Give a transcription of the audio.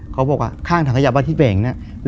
เขาบอกว่าข้างถังทะยะบ้านทิตย์แหวงเนี่ย